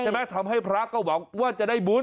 ทำให้พระก็หวังว่าจะได้บุญ